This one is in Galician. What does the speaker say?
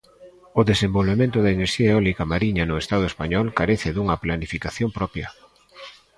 O desenvolvemento da enerxía eólica mariña no Estado español carece dunha planificación propia.